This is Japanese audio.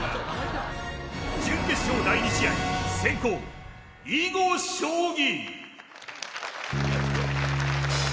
準決勝第２試合、先攻囲碁将棋。